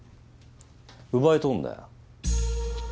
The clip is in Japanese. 奪い取んだよ。